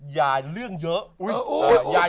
อย่าเรื่องเยอะ